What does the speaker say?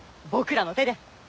僕らの手で！